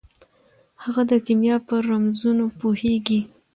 هغه د کیمیا په رمزونو پوهیږي.